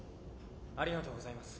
ありがとうございます。